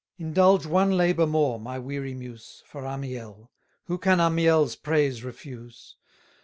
Indulge one labour more, my weary muse, For Amiel: who can Amiel's praise refuse?